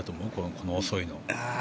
この遅いの。